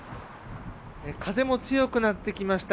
風も強くなってきました。